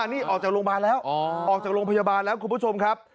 นี่ออกจากโรงพยาบาลแล้วออกจากโรงพยาบาลแล้วคุณผู้ชมครับ